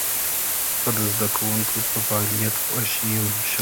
هغه د زده کوونکو په فعاليت خوښ شو.